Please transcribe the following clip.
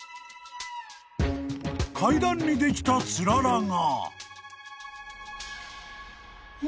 ［階段にできたつららが］